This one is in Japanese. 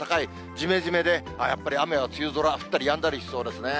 じめじめで、やっぱり雨は梅雨空、降ったりやんだりしそうですね。